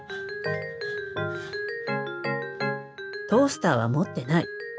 トースターは持ってない。